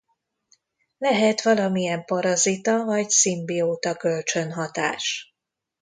Lehet valamilyen parazita vagy szimbióta kölcsönhatás.